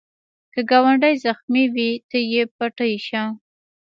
که ګاونډی زخمې وي، ته یې پټۍ شه